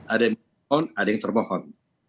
ada yang memohon ada yang termohon